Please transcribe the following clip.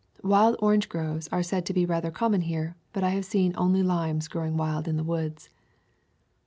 Wild orange groves are said to be rather common here, but I have seen only limes grow ing wild in the woods.